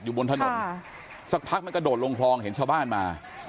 บนถนนสักพักมันกระโดดลงคลองเห็นชาวบ้านมา